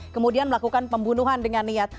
kemudian melakukan pembunuhan dengan niat